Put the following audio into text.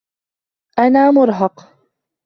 أنا مُرهق.